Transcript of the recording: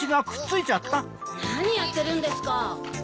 なにやってるんですか？